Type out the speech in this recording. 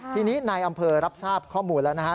ทีนี้นายอำเภอรับทราบข้อมูลแล้วนะฮะ